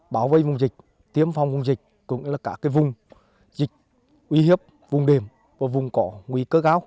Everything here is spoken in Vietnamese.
bảo vệ vùng dịch tiêm phòng vùng dịch cũng như là cả cái vùng dịch uy hiếp vùng đềm và vùng cỏ nguy cơ gáo